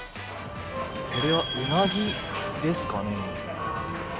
これは、うなぎですかね？